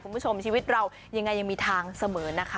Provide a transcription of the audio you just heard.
คุณผู้ชมชีวิตเรายังไงยังมีทางเสมอนะคะ